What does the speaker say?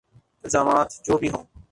الزامات جو بھی ہوں۔